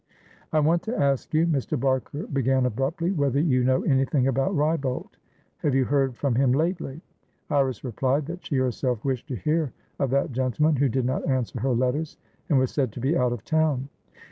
"I want to ask you," Mr. Barker began, abruptly, "whether you know anything about Wrybolt? Have you heard from him lately?" Iris replied that she herself wished to hear of that gentleman, who did not answer her letters, and was said to be out of town.